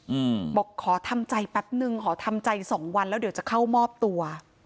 อืมบอกขอทำใจแป๊บนึงขอทำใจสองวันแล้วเดี๋ยวจะเข้ามอบตัว